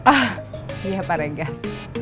ah iya pak regar